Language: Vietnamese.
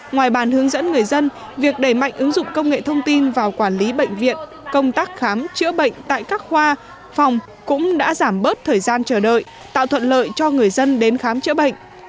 ngoài bàn hướng dẫn người dân việc đẩy mạnh ứng dụng công nghệ thông tin vào quản lý bệnh viện công tác khám chữa bệnh tại các khoa phòng cũng đã giảm bớt thời gian chờ đợi tạo thuận lợi cho người dân đến khám chữa bệnh